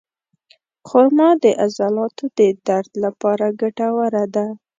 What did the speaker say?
خرما د عضلاتو د درد لپاره ګټوره ده.